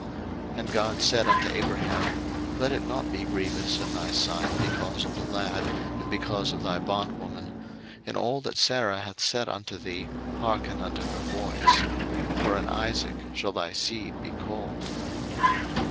01:021:012 And God said unto Abraham, Let it not be grievous in thy sight because of the lad, and because of thy bondwoman; in all that Sarah hath said unto thee, hearken unto her voice; for in Isaac shall thy seed be called.